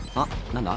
何だ？